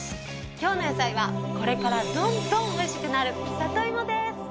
今日の野菜はこれからどんどん美味しくなる里芋です。